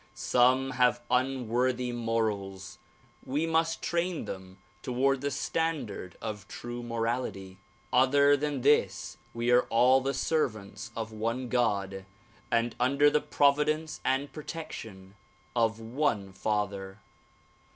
Some have un worthy morals; we must train them toward the standard of true morality. Other than this we are all the servants of one God and under the providence and protection of one father.